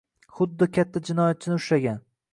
Xuddi katta jinoyatchini ushlagan.